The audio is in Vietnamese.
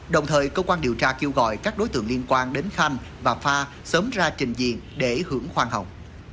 bởi cơ quan điều tra kêu gọi các đối tượng liên quan đến khanh và pha sớm ra trình diện để hưởng khoan học